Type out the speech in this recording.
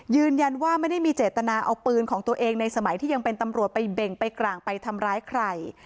ยืนยันว่าไม่ได้มีเจตนาเอาปืนของตัวเองในสมัยที่ยังเป็นตำรวจไปเบ่งไปกลางไปทำร้ายใคร